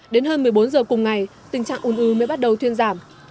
đến hơn một mươi bốn giờ cùng ngày tình trạng un ứ mới bắt đầu thuyên giảm